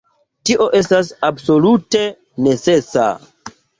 Tio estas absolute necesa!